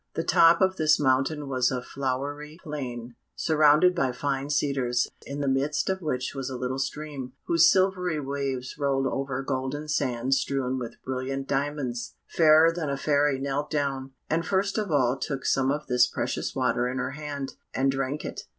The top of this mountain was a flowery plain, surrounded by fine cedars, in the midst of which was a little stream, whose silvery waves rolled over golden sands strewn with brilliant diamonds. Fairer than a Fairy knelt down, and first of all took some of this precious water in her hand, and drank it.